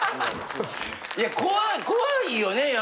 いや怖いよね